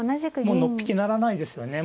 もうのっぴきならないですよね。